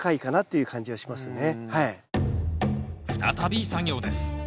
再び作業です。